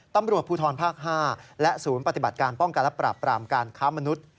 ตำรวจภูทรภาค๕และศูนย์ปฏิบัติการป้องกันและปราบปรามการค้ามนุษย์